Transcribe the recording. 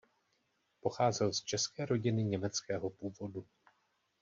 Pocházel z české rodiny německého původu.